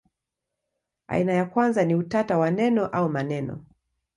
Aina ya kwanza ni utata wa neno au maneno.